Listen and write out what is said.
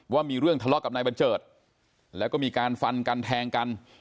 ว่ามีเรื่องทะเลาะกับนายบัญเจิดแล้วก็มีการฟันกันแทงกัน